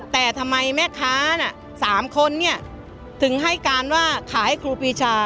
แต่ทำไมแม่ค้าน่ะ๓คนเนี่ยถึงให้การว่าขายครูพีชา